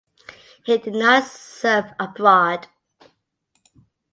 He did not serve abroad.